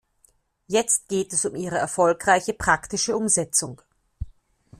Jetzt geht es um ihre erfolgreiche praktische Umsetzung.